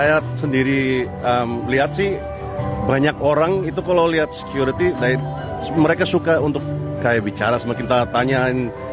dan yang saya sendiri lihat sih banyak orang itu kalau lihat security mereka suka untuk kayak bicara sama kita tanyain